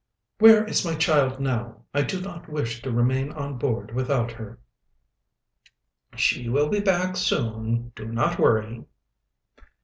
"Where is my child now? I do not wish to remain on board without her." "She will be back soon; do not worry."